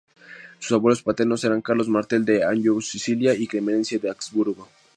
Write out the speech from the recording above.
Sus abuelos paternos eran Carlos Martel de Anjou-Sicilia y Clemencia de Habsburgo.